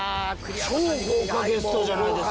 超豪華ゲストじゃないですか。